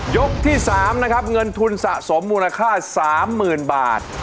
ยกที่๓นะครับเงินทุนสะสมมูลค่า๓๐๐๐บาท